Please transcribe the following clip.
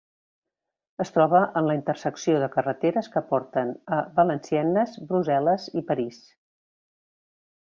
Es troba a la intersecció de carreteres que porten a Valenciennes, Brussel·les i París.